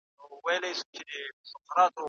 هغه څوک چي ټایپنګ یې زده وي بریالي دي.